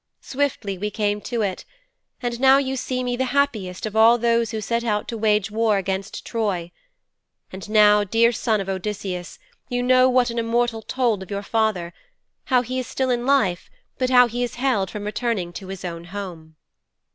Swiftly we came to it, and now you see me the happiest of all those who set out to wage war against Troy. And now, dear son of Odysseus, you know what an immortal told of your father how he is still in life, but how he is held from returning to his own home.'